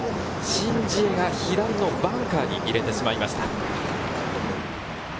シン・ジエが左のバンカーに入れてしまいました。